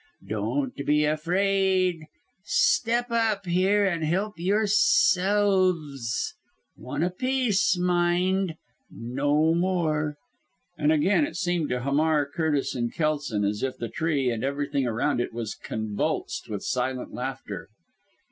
Don't be afraid, step up here and help yourselves one apiece mind, no more." And again it seemed to Hamar, Curtis and Kelson as if the tree and everything around it was convulsed with silent laughter.